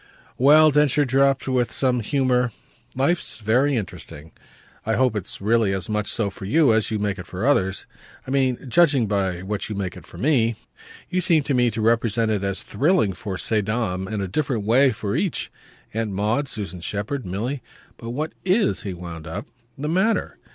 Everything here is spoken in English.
"Well," Densher dropped with some humour, "life's very interesting! I hope it's really as much so for you as you make it for others; I mean judging by what you make it for me. You seem to me to represent it as thrilling for ces dames, in a different way for each: Aunt Maud, Susan Shepherd, Milly. But what IS," he wound up, "the matter?